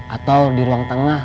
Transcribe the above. atau di ruang tengah